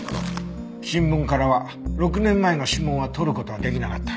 新聞からは６年前の指紋は採る事ができなかった。